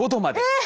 えっ！